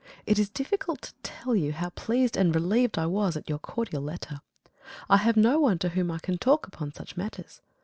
It is difficult to tell you how pleased and relieved I was at your cordial letter. I have no one to whom I can talk upon such matters.